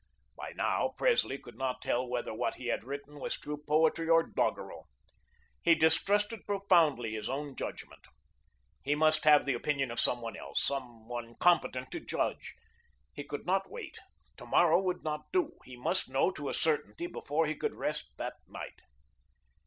By now, Presley could not tell whether what he had written was true poetry or doggerel. He distrusted profoundly his own judgment. He must have the opinion of some one else, some one competent to judge. He could not wait; to morrow would not do. He must know to a certainty before he could rest that night.